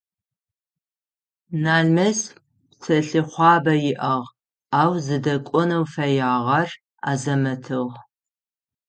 Налмэс псэлъыхъуабэ иӏагъ, ау зыдэкӏонэу фэягъэр Азэмэтыгъ.